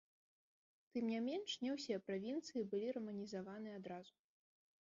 Тым не менш не ўсе правінцыі былі раманізаваны адразу.